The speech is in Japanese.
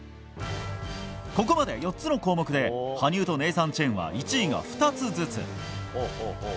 ここまで４つの項目で羽生とネイサン・チェンは１位が２つずつ。